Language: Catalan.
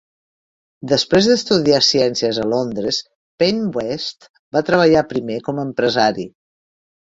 Després d'estudiar ciències a Londres, Payne Best va treballar primer com a empresari.